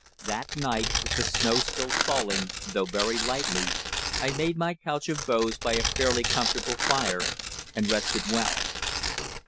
That night, with the snow still falling, though very lightly, I made my couch of boughs by a fairly comfortable fire, and rested well.